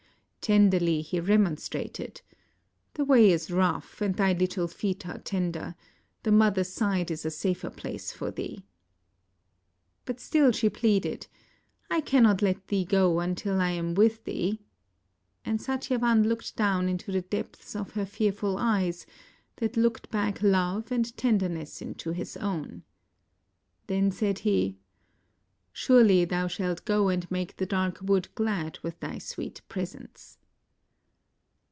Tenderly he remonstrated, " The way is rough and thy little feet are tender; the mother's side is a safer place for thee." But still she pleaded, "I cannot let thee go unless I am with thee" ; and Satyavan looked down into the depths of her tearful eyes, that looked back love and tenderness into his own. Then said he, "Surely thou SAVITRI'S CHOICE shalt go and make the dark wood glad with thy sweet presence."